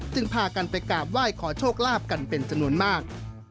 พากันไปกราบไหว้ขอโชคลาภกันเป็นจำนวนมาก